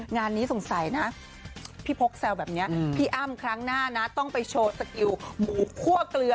งานนี้สงสัยนะพี่พกแซวแบบนี้พี่อ้ำครั้งหน้านะต้องไปโชว์สกิลหมูคั่วเกลือ